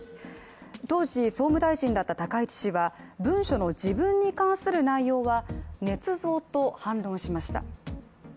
当時、総務大臣だった高市氏は文書の自分に関する内容はねつ造と反論しました。